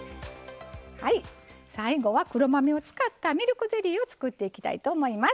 最後は黒豆を使ったミルクゼリーを作っていきたいと思います。